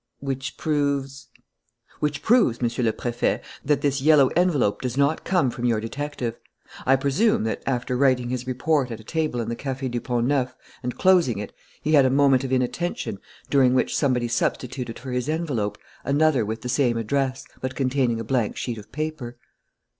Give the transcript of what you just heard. "Which proves ?" "Which proves, Monsieur le Préfet, that this yellow envelope does not come from your detective. I presume that, after writing his report at a table in the Café du Pont Neuf and closing it, he had a moment of inattention during which somebody substituted for his envelope another with the same address, but containing a blank sheet of paper."